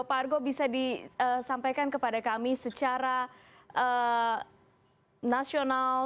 pak argo bisa disampaikan kepada kami secara nasional